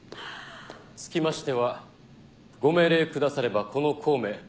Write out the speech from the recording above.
つきましてはご命令くださればこの孔明